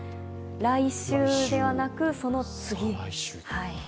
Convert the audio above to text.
来週ではなく、その次。